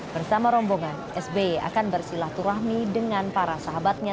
bersama rombongan sbe akan bersilah turahmi dengan para sahabatnya